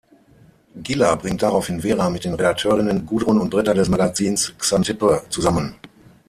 Gilla bringt daraufhin Vera mit den Redakteurinnen Gudrun und Britta des Magazins "Xanthippe" zusammen.